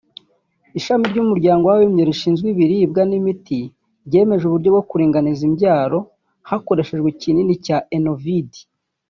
Ishami ry’umuryango w’abibumbye rishinzwe ibiribwa n’imiti ryemeje uburyo bwo kuringaniza imbyaro hakoreshejwe ikinini cya Enovid